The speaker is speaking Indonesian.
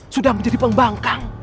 sudah menjadi pengebangkang